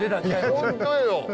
本当よ。